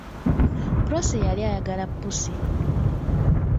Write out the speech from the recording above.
Prosy yali ayagala pussi.